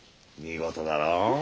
見事だろ。